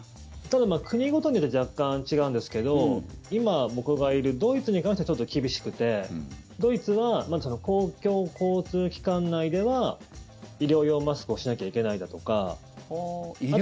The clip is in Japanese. ただ、国ごとによって若干違うんですけど今僕がいるドイツに関してはちょっと厳しくてドイツは公共交通機関内では医療用マスクをしなきゃいけないだとか。